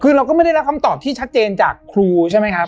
คือเราก็ไม่ได้รับคำตอบที่ชัดเจนจากครูใช่ไหมครับ